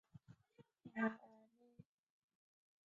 往往看上去完全健康的人极偶尔会患这种病。